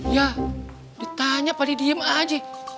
ya ditanya pak di diem aja